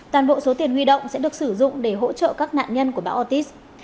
toàn bộ số tiền huy động sẽ được sử dụng để hỗ trợ các nạn nhân của bão ortiz